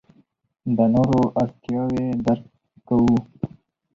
د نورو اړتیاوې درک کوو.